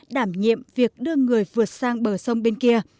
đảm nhiệm việc đưa người vượt sang bờ sông bên kia